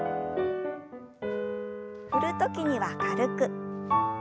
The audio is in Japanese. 振る時には軽く。